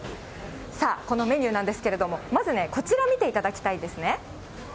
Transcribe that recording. さあ、このメニューなんですけれども、まずね、こちら見ていただきたいですね。